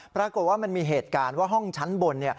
ปรากฏว่ามันมีเหตุการณ์ว่าห้องชั้นบน